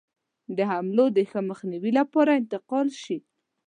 د حملو د ښه مخنیوي لپاره انتقال شي.